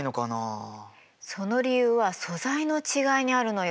その理由は素材の違いにあるのよ。